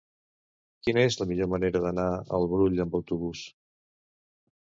Quina és la millor manera d'anar al Brull amb autobús?